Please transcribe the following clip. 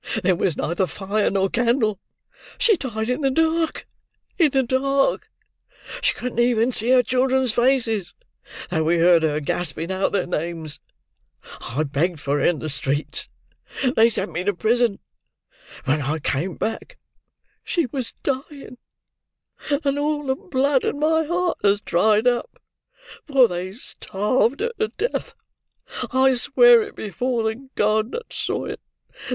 There was neither fire nor candle; she died in the dark—in the dark! She couldn't even see her children's faces, though we heard her gasping out their names. I begged for her in the streets: and they sent me to prison. When I came back, she was dying; and all the blood in my heart has dried up, for they starved her to death. I swear it before the God that saw it!